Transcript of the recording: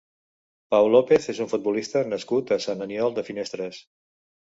Pau López és un futbolista nascut a Sant Aniol de Finestres.